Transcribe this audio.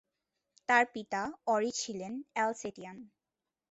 তার পিতা অঁরি ছিলেন অ্যালসেটিয়ান।